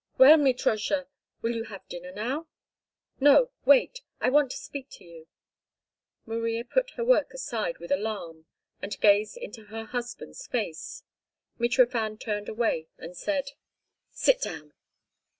"Well, Mitrosha, will you have dinner now?" "No. Wait. I want to speak to you." Maria put her work aside with alarm and gazed into her husband's face. Mitrofan turned away and said: "Sit down."